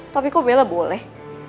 tapi kok bella boleh